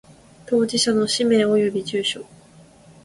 当事者の氏名及び住所